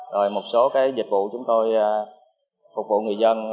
rồi một số cái dịch vụ chúng tôi phục vụ người dân